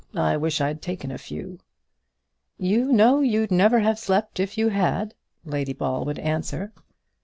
I wish I'd taken a few." "You know you'd never have slept if you had," Lady Ball would answer.